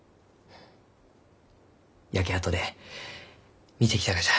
焼け跡で見てきたがじゃ。